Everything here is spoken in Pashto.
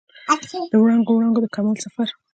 د وړانګو، وړانګو د کمال سفر